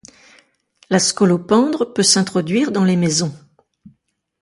La scolopendre peut s'introduire dans les maisons.